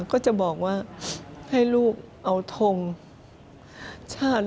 ก็จะบอกว่าให้ลูกเอาทงชาติ